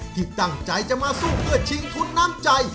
ที่ตั้งใจจะมาสู้เพื่อชิงทุนน้ำใจ